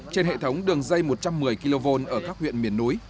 trên hệ thống đường dây một trăm một mươi kv ở các huyện miền núi